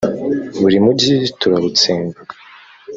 buri mugi turawutsemba